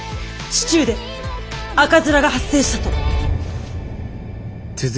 市中で赤面が発生したと。